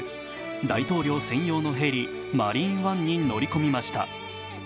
大統領専用のヘリ・マリーンワンに乗り込みました。